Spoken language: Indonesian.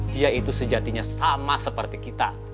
dia itu sejatinya sama seperti kita